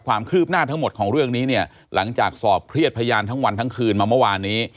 ความคืบหน้าทั้งหมดของเรื่องนี้เนี่ยหลังจากสอบเครียดพยานทั้งวันทั้งคืนมาเมื่อวานนี้